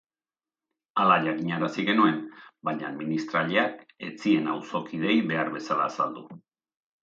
Hala jakinarazi genuen, baina administratzaileak ez zien auzokideei behar bezala azaldu.